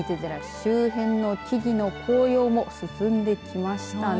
周辺の木々の紅葉も進んできましたね。